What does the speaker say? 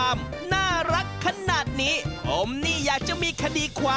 ผมอยากเห็นทนายเต้นน่ะ